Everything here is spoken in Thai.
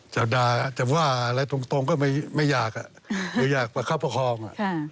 จะด่าจะว่าอะไรตรงก็ไม่อยากหรืออยากประคับประคอง